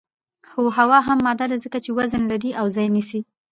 هو هوا هم ماده ده ځکه چې وزن لري او ځای نیسي